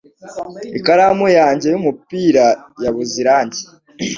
Ikaramu yanjye yumupira yabuze irangi.